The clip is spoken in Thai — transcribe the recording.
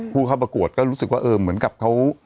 ผู้เข้าประกวดก็รู้สึกว่าเออเหมือนกับเขา